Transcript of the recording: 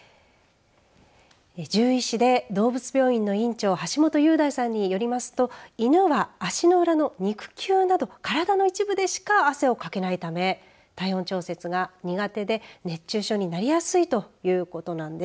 獣医師で動物病院の院長橋本雄大さんによりますと犬は足の裏の肉球など体の一部でしか汗をかけないため体温調節が苦手で熱中症になりやすいということなんです。